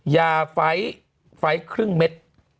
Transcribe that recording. ยาไฟล์ครึ่งเม็ด